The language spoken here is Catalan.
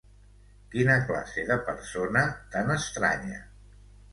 Quina classe de persona tan estranya!